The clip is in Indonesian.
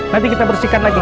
nanti kita bersihkan lagi